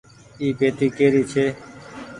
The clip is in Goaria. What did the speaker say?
اي پيتي ڪيري ڇي